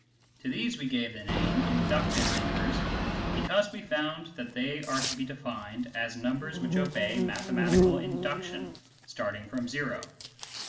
To these we gave the name " inductive numbers," because we found that they are to be defined as numbers which obey mathematical induction starting from o.